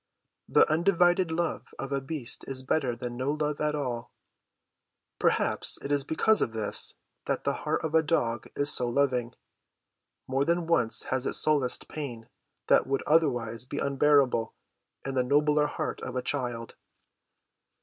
The undivided love of a beast is better than no love at all. Perhaps it is because of this that the heart of a dog is so loving; more than once has it solaced pain that would otherwise be unbearable in the nobler heart of a child.